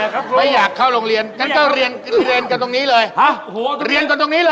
เขาไม่อยากไปโรงเรียน